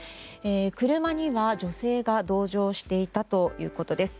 車には女性が同乗していたということです。